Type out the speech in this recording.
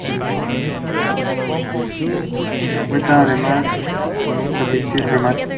Lake Pillsbury captures about one percent of the Eel River flow.